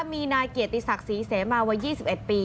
มีนายเกียรติศักดิ์ศรีเสมาวัย๒๑ปี